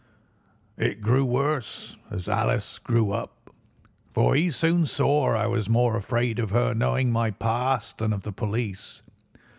It grew worse as Alice grew up, for he soon saw I was more afraid of her knowing my past than of the police.